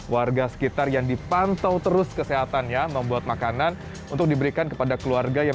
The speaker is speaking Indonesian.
warga sekitar yang dipantau terus kesehatannya membuat makanan untuk diberikan kepada keluarga yang